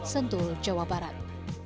sentul jawa barat